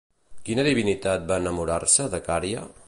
Quina divinitat va enamorar-se de Cària?